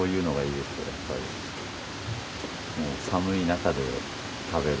もう寒いなかで食べる。